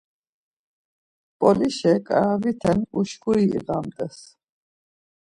Mp̆olişa karaviten uşkuri iğamtes.